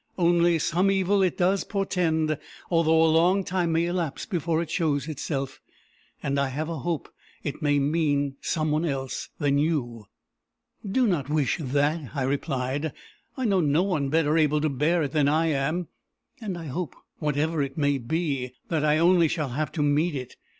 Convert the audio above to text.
Only some evil it does portend, although a long time may elapse before it shows itself; and I have a hope it may mean some one else than you." "Do not wish that," I replied. "I know no one better able to bear it than I am; and I hope, whatever it may be, that I only shall have to meet it.